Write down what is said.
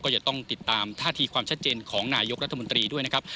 ก็จะต้องติดตามท่าทีความชัดเจนของนายกรัฐมนตรีด้วยนะครับ